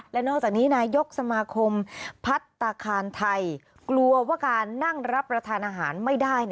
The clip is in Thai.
และนอกจากนี้นายกสมาคมพัฒนาคารไทยกลัวว่าการนั่งรับประทานอาหารไม่ได้